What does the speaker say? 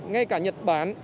ngay cả nhật bản